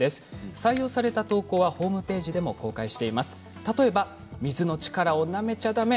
採用された投稿はホームページでも公開しています。